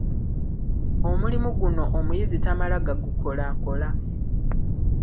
Omulimu guno omuyizi tamala gagukolakola.